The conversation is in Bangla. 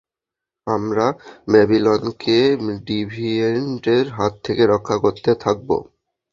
আমরা ব্যাবিলনকে ডিভিয়েন্টদের হাত থেকে রক্ষা করতে থাকব।